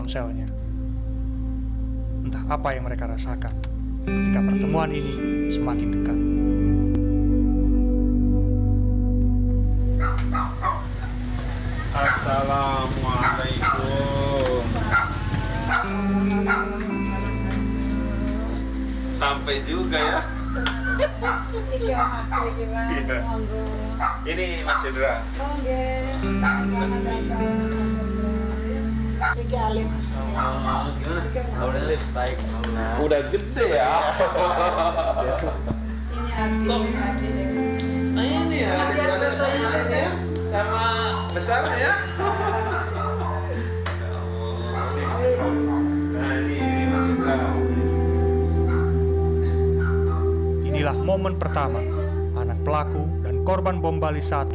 saya tidak mengajukan pertemuan ini semakin dekat